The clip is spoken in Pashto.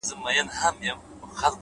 هره ستونزه د حل نوې دروازه ده؛